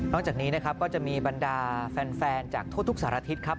จากนี้นะครับก็จะมีบรรดาแฟนจากทั่วทุกสารทิศครับ